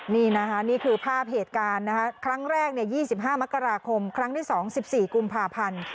นี่นะคะนี่คือภาพเหตุการณ์นะคะครั้งแรก๒๕มกราคมครั้งที่๒๑๔กุมภาพันธ์